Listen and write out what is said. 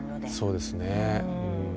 そうですね。